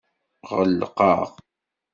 Ɣelqeɣ.